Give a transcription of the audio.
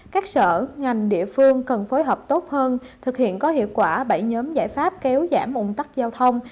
các sở ngành địa phương cần phối hợp tốt hơn thực hiện có hiệu quả bảy nhóm giải pháp kéo giảm ủng tắc giao thông